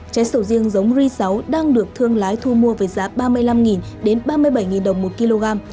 trái sầu riêng giống ry sáu đang được thương lái thu mua với giá ba mươi năm đến ba mươi bảy đồng một kg